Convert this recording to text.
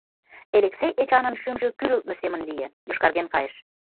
Элексей Эчанын шӱмжӧ кӱрылтмӧ семын лие, йошкарген кайыш.